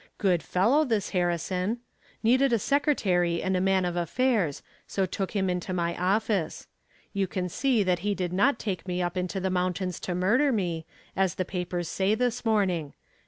Good fellow, this Harrison. Needed a secretary and man of affairs, so took him into my office. You can see that he did not take me up into the mountains to murder me, as the papers say this morning.